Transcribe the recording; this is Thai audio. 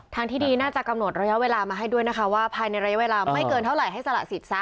ที่ดีน่าจะกำหนดระยะเวลามาให้ด้วยนะคะว่าภายในระยะเวลาไม่เกินเท่าไหร่ให้สละสิทธิซะ